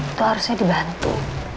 itu harusnya dibantu